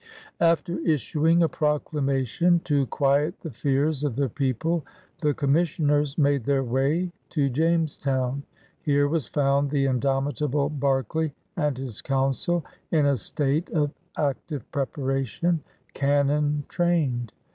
After issuing a proclamation to quiet the fears of the people, the Commissioners made their way to Jamestown. Here was found the indomitable Berkeley and his Council in a state of active prepa ration, cannon trained.